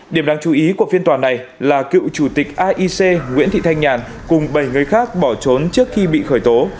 điểm đáng chú ý của phiên tòa này là cựu chủ tịch aic nguyễn thị thanh nhàn cùng bảy người khác bỏ trốn trước khi bị khởi tố